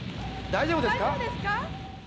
大丈夫ですか？